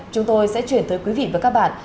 chúng tôi sẽ chuyển tới quý vị và các bạn